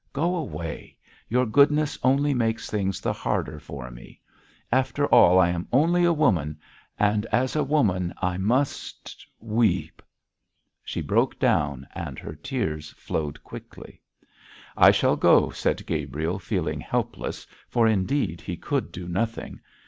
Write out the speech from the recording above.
Go away; your goodness only makes things the harder for me. After all, I am only a woman, and as a woman I must w e e p.' She broke down, and her tears flowed quickly. 'I shall go,' said Gabriel, feeling helpless, for indeed he could do nothing.